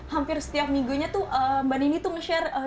hampir setiap minggunya tuh mbak nini tuh nge share